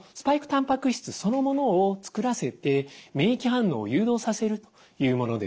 たんぱく質そのものを作らせて免疫反応を誘導させるというものです。